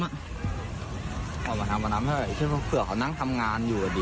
อเจมส์เอามาทำกว่าน้ำเถอะเผื่อเขานั่งทำงานอยู่อ่ะดิ